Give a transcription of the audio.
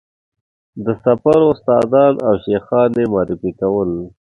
د سفر استادان او شیخان یې معرفي کول.